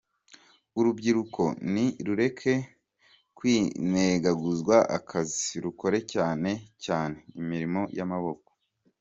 Urubyiruko ni rureke kwinenaguzwa akazi, rukore cyane cyane imirimo y’amaboko”.